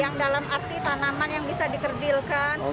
yang dalam arti tanaman yang bisa dikerdilkan